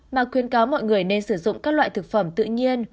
mà khuyên cáo mọi người nên sử dụng các loại thực phẩm tự nhiên